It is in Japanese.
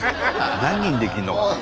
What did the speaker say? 何人できんのかな。